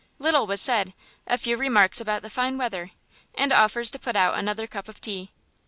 Little was said a few remarks about the fine weather, and offers to put out another cup of tea.